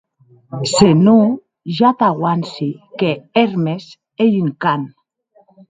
Se non, ja t'auanci que Hermes ei un can.